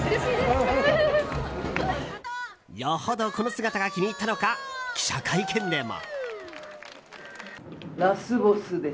よほどこの姿が気に入ったのか記者会見でも。